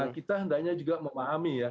kita hendaknya juga memahami